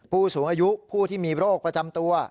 ผู้สูงอายุผู้ที่มีโรคประจำตัว